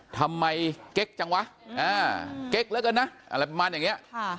ทำไมเก๊กจังวะเก๊กแล้วกันนะอะไรประมาณอย่างนี้